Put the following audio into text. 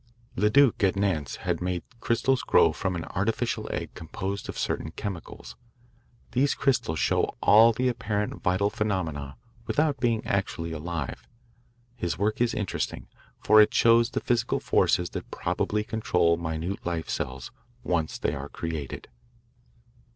Leduc at Nantes has made crystals grow from an artificial egg composed of certain chemicals. These crystals show all the apparent vital phenomena without being actually alive. His work is interesting, for it shows the physical forces that probably control minute life cells, once they are created.